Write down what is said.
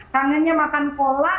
kangennya makan pola